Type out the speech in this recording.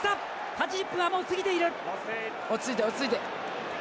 ８０分はもう過ぎている！